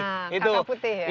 nah kakap putih ya